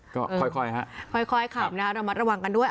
ก็ค่อยฮะค่อยขับนะฮะระมัดระวังกันด้วย